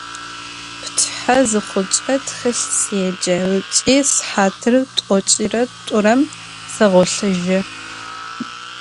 Pçıhe zıxhuç'e txılh sêce ıç'i sıhatır t'oç'ire t'urem seğolhıjı.